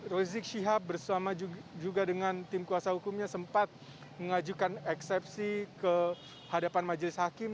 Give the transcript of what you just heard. rizik syihab bersama juga dengan tim kuasa hukumnya sempat mengajukan eksepsi ke hadapan majelis hakim